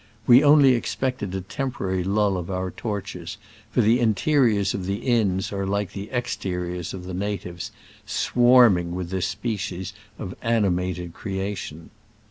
We only expected a temporary lull of our tortures, for the interiors of the inns are like the exteriors of the natives, swarming with this species of animated creation.